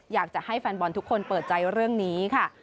อยากจะให้แฟนบอลทุกคนเปิดใจเรื่องนี้ค่ะ